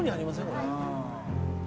これ。